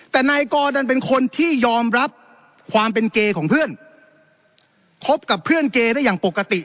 แต่นายกอดันเป็นคนที่ยอมรับความเป็นเกย์ของเพื่อนคบกับเพื่อนเกย์ได้อย่างปกติ